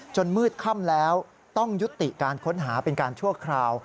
มืดค่ำแล้วต้องยุติการค้นหาเป็นการชั่วคราว